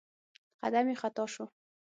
قدم يې خطا شو.